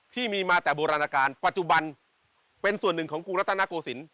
ที่มีมาแต่โบราณการปัจจุบันเป็นส่วนหนึ่งของกรุงรัฐนาโกศิลป